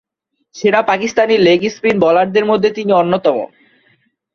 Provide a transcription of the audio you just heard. সেরা Pakistani leg spin বোলারদের মধ্যে তিনি অন্যতম।